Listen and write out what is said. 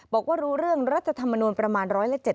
บอกว่ารู้เรื่องรัฐธรรมนูลประมาณ๑๗๐